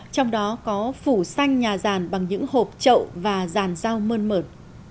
trong đó có phủ xanh nhà ràn bằng những hộp trậu và ràn rau mơn mởn